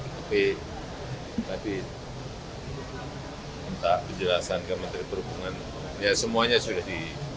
tapi tadi minta penjelasan ke menteri perhubungan ya semuanya sudah di